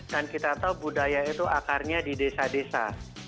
dan kita tahu budaya itu akarnya di desa desa